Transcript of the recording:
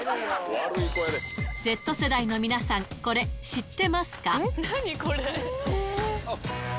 Ｚ世代の皆さん、これ、知ってますか？